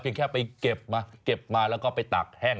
เพียงแค่ไปเก็บมาแล้วก็ไปตากแห้ง